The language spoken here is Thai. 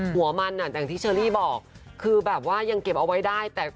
หัวมันอ่ะอย่างที่เชอรี่บอกคือแบบว่ายังเก็บเอาไว้ได้แต่